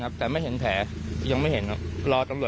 จริงเหรอ